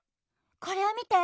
これをみて。